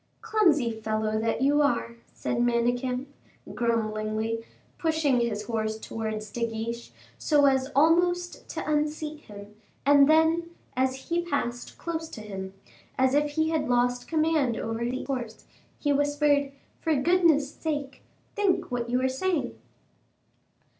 "Clumsy fellow that you are!" said Manicamp, grumblingly, pushing his horse towards De Guiche, so as almost to unseat him, and then, as he passed close to him, as if he had lost command over the horse, he whispered, "For goodness' sake, think what you are saying."